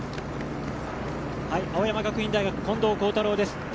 青山学院大学近藤幸太郎です。